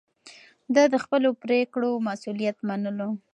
ده د خپلو پرېکړو مسووليت منلو.